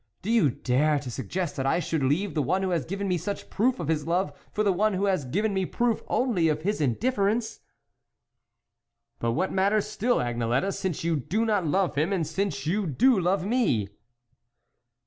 Do you dare to suggest that I should leave the one who has given me such proof of his love for the one who has given me proof only of his indifference ?"" But what matter still, Agnelette, since you do not love him and since you do love me?"